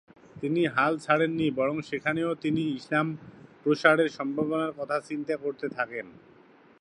তিনি হাল ছাড়েন নি; বরং সেখানেও তিনি ইসলাম প্রসারের সম্ভবনার কথা চিন্তা করতে থাকেন।